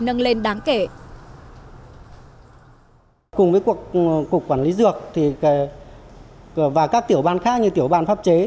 nâng lên đáng kể cùng với cuộc quản lý dược thì và các tiểu ban khác như tiểu ban pháp chế